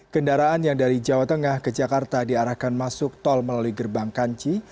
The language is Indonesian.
kendaraan yang dari jawa tengah ke jakarta diarahkan masuk tol melalui gerbang kanci